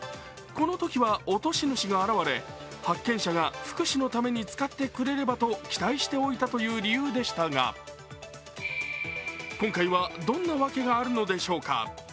このときは落とし主が現れ発見者が福祉のために使ってくれればと期待して置いたという理由でしたが、今回は、どんな訳があるのでしょうか。